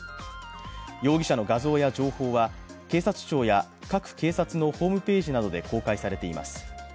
容疑者の画像や情報は警察庁や各警察のホームページなどで公開されています。